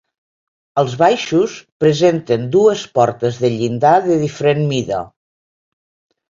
Els baixos presenten dues portes de llinda de diferent mida.